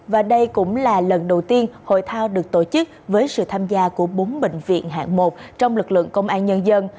và đây cũng là lần đầu tiên hội thao được tổ chức với sự tham gia của bốn bệnh viện hạng một trong lực lượng công an nhân dân